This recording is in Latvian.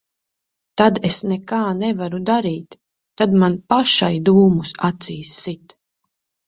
Tad es nekā nevaru darīt. Tad man pašai dūmus acīs sit.